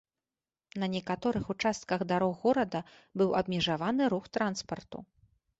На некаторых участках дарог горада быў абмежаваны рух транспарту.